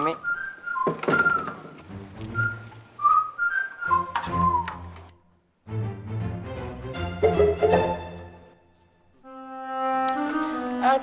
masih cemberut aja mi